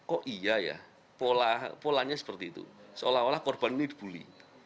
oh iya ya polanya seperti itu seolah olah korban ini dibully